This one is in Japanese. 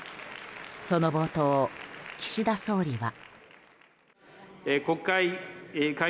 その冒頭、岸田総理は。